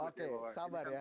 oke sabar ya